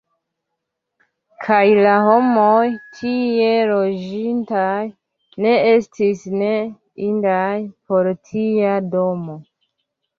Kaj la homoj, tie loĝintaj, ne estis ne indaj por tia domo!